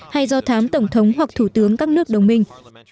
hay do thám tổng thống hoặc thủ tướng các nước đồng minh